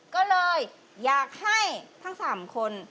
ก็เลยอยากให้ทั้ง๓คน